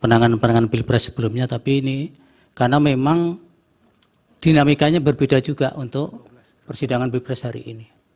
penanganan penanganan pilpres sebelumnya tapi ini karena memang dinamikanya berbeda juga untuk persidangan pilpres hari ini